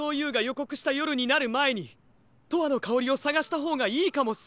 こくしたよるになるまえに「とわのかおり」をさがしたほうがいいかもっす。